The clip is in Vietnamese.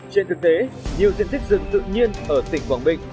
trên thực tế nhiều tiền thích rừng tự nhiên ở tỉnh quảng bình